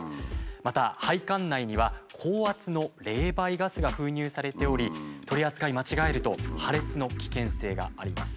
また配管内には高圧の冷媒ガスが封入されており取り扱い間違えると破裂の危険性があります。